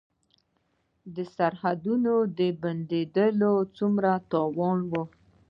د سرحدونو بندیدل څومره تاوان و؟